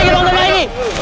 tidak ada apa apa